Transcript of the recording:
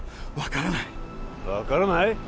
分からない分からない？